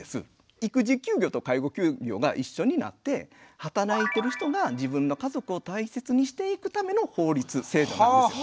育児休業と介護休業が一緒になって働いてる人が自分の家族を大切にしていくための法律制度なんです。